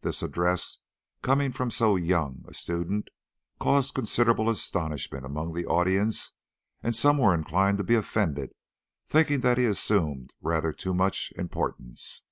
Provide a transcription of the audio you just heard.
This address, coming from so young a student, caused considerable astonishment among the audience, and some were inclined to be offended, thinking that he assumed rather too much importance.